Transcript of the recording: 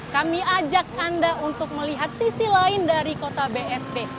kami ajak anda untuk melihat sisi lain dari kota bsp